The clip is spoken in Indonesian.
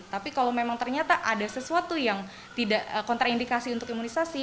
tapi kalau memang ternyata ada sesuatu yang tidak kontraindikasi untuk imunisasi